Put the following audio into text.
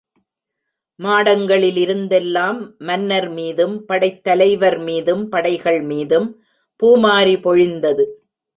மாடங்களிலிருந்தெல்லாம் மன்னர்மீதும் படைத் தலைவர் மீதும் படைகள் மீதும் பூமாரி பொழிந்தது.